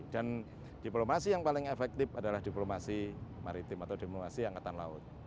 dan diplomasi yang paling efektif adalah diplomasi maritim atau diplomasi angkatan laut